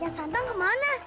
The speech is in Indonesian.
yang santan kemana